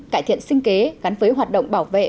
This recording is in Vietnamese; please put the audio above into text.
cải thiện sinh kế gắn với hoạt động bảo vệ